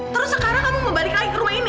terus sekarang kamu mau balik lagi ke rumah ini